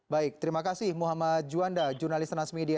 baik terima kasih muhammad juanda jurnalis transmedia